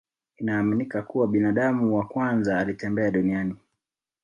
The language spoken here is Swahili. Inaaminika kuwa binadamu wa kwanza alitembea duniani